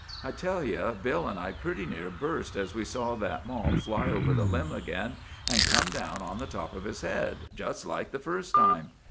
I tell you, Bill and I pretty near burst as we saw that mall fly over the limb again and come down on the top of his head just like the first time.